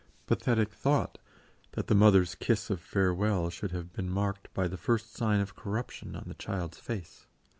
Pathetic thought, that the mother's kiss of farewell should have been marked by the first sign of corruption on the child's face!